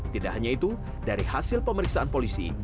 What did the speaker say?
tidak hanya itu dari hasil pemeriksaan polisi